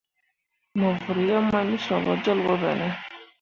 Mo vǝrri yeb mai me sob bo jolbo be ne ?